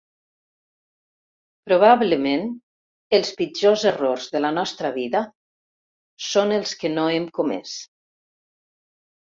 Probablement els pitjors errors de la nostra vida són els que no hem comès.